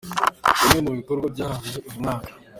Bimwe mu bikorwa byaranze uyu mwaka.